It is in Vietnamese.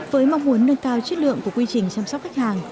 với mong muốn nâng cao chất lượng của quy trình chăm sóc khách hàng